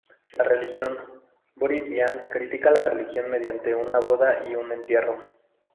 La religión: Boris Vian critica la religión mediante una boda y un entierro.